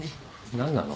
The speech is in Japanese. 何なの？